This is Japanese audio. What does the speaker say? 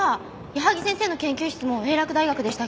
矢萩先生の研究室も英洛大学でしたっけ。